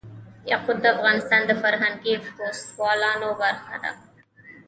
یاقوت د افغانستان د فرهنګي فستیوالونو برخه ده.